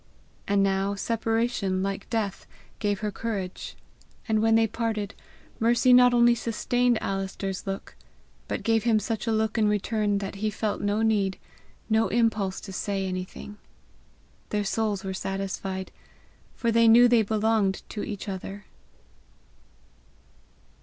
And now separation, like death, gave her courage, and when they parted, Mercy not only sustained Alister's look, but gave him such a look in return that he felt no need, no impulse to say anything. Their souls were satisfied, for they knew they belonged to each other.